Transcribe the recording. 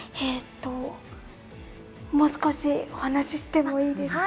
もう少しお話してもいいですか？